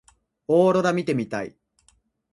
オーロラ見てみたい。